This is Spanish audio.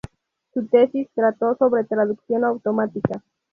Su tesis trató sobre traducción automática.